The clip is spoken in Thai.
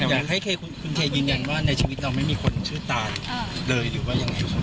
อยากให้คุณเคยืนยันว่าในชีวิตเราไม่มีคนชื่อตานเลยหรือว่ายังไงครับ